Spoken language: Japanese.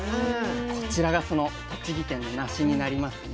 こちらがその栃木県のなしになりますね。